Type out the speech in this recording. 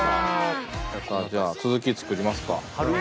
じゃあ続き作りますか。